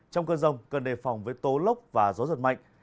trong cơn rông cần đề phòng với tố lốc và gió giật mạnh